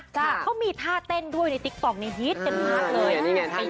ใช่ค่ะเขามีท่าเต้นด้วยในติ๊กป๋องในฮีตกันมากเลยอ่านี่ไงท่านี้